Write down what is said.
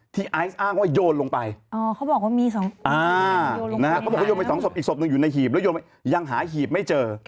ที่ไอซ์อ้างว่ายนลงไปเขาบอกว่ามี๒อีกศพอยู่ในหีบยังหาหีบไม่เจอ